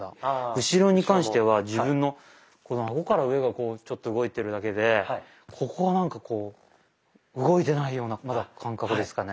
後ろに関しては自分のこの顎から上がこうちょっと動いてるだけでここはなんかこう動いてないようなまだ感覚ですかね。